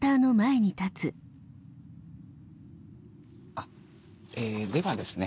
・あっえではですね